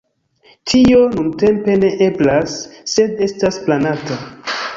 Tio nuntempe ne eblas, sed estas planata.